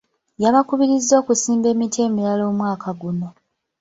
Yabakubirizza okusimba emiti emirala omwaka guno.